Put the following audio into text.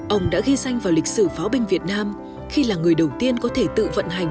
ông đã ghi danh vào lịch sử pháo binh việt nam khi là người đầu tiên có thể tự vận hành